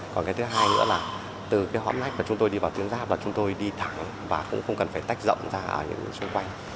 còn cái thứ hai nữa là từ cái hõm nách và chúng tôi đi vào tuyển giáp là chúng tôi đi thẳng và cũng không cần phải tách rộng ra ở những xung quanh